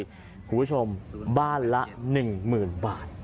คุณผู้ชมบ้านละ๑๐๐๐บาท